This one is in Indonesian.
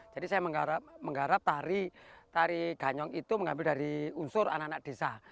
jadi saya menggarap tari ganyong itu mengambil dari unsur anak anak desa